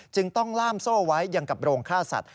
จึงต้องล่ามโซ่ไว้อย่างกับโรงฆ่าสัตว